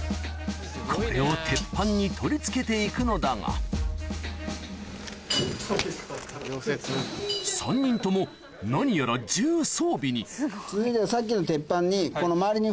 これを鉄板に取り付けて行くのだが３人とも何やらさっきの。